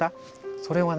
それはね